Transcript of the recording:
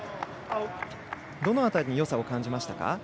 どの辺りによさを感じましたか？